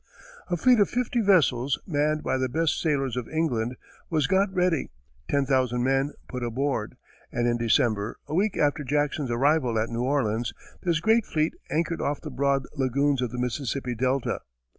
A fleet of fifty vessels, manned by the best sailors of England, was got ready, ten thousand men put aboard, and in December, a week after Jackson's arrival at New Orleans, this great fleet anchored off the broad lagoons of the Mississippi delta.